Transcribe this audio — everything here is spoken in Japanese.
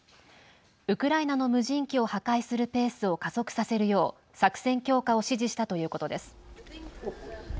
ウクライナの無人機を破壊するペースを加速させるよう、作戦強化を指示したということです。